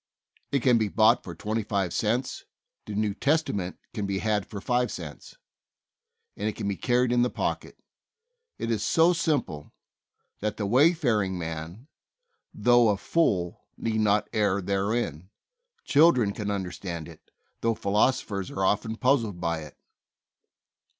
It can be bought for twenty five cents ; the New Testament can be had for five cents, and it can be carried in the pocket. It is so simple that "the wayfaring man, though a fool," need "not err therein." Children can understand it, though philosophers are often puzzled by it.